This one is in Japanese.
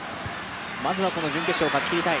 まずは準決勝を勝ちきりたい。